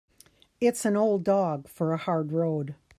It's an old dog for a hard road.